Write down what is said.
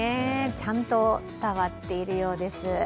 ちゃんと伝わっているようです。